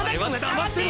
黙ってや！